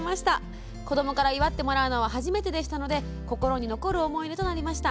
子どもから祝ってもらうのは初めてでしたので心に残る思い出となりました」。